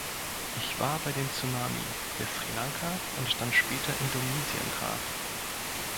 Ich war bei dem Tsunami, der Sri Lanka und dann später Indonesien traf.